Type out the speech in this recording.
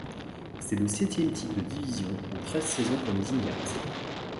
C'est le septième titre de division en treize saisons pour les Indians.